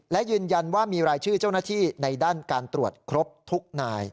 และยืนยันว่ามีรายชื่อเจ้าหน้าที่ในด้านการตรวจครบทุกนาย